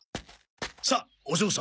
さあお嬢様。